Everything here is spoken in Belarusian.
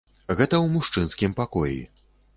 Гэта ў мужчынскім пакоі.